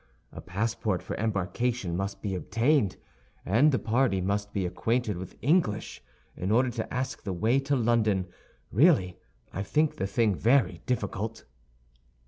A passport for embarkation must be obtained; and the party must be acquainted with English in order to ask the way to London. Really, I think the thing very difficult."